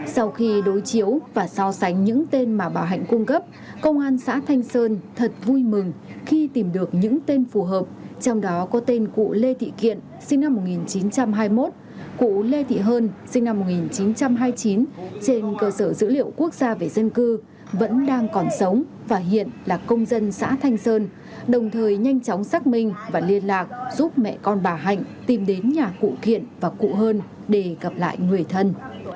sau khi đối chiếu và so sánh những tên mà bà hạnh cung cấp công an xã thanh sơn thật vui mừng khi tìm được những tên phù hợp trong đó có tên cụ lê thị kiện sinh năm một nghìn chín trăm hai mươi một cụ lê thị hơn sinh năm một nghìn chín trăm hai mươi chín trên cơ sở dữ liệu quốc gia về dân cư vẫn đang còn sống và hiện là công dân xã thanh sơn đồng thời nhanh chóng xác minh và liên lạc giúp mẹ con bà hạnh tìm đến nhà cụ kiện và cụ hơn để gặp lại người thân